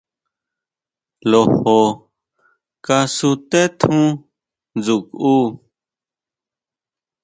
Lojo kasuté tjún ʼndsukʼu.